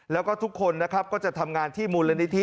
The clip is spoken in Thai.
แล้วก็ทุกคนนะครับก็จะทำงานที่มูลนิธิ